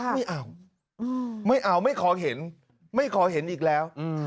ไม่เอาไม่เอาไม่ขอเห็นไม่ขอเห็นอีกแล้ว